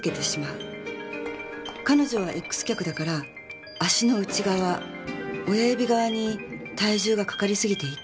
彼女はＸ脚だから足の内側親指側に体重がかかりすぎていた。